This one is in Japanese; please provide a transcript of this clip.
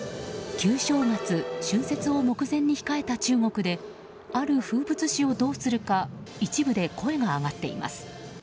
旧正月・春節を目前に控えた中国である風物詩をどうするか一部で声が上がっています。